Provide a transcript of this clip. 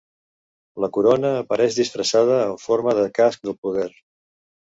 La Corona apareix disfressada en forma de "Casc del poder".